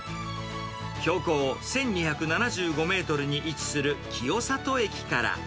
標高１２７５メートルに位置する清里駅から。